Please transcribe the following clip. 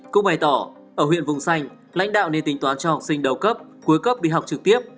cũng bày tỏ ở huyện vùng xanh lãnh đạo nên tính toán cho học sinh đầu cấp cuối cấp đi học trực tiếp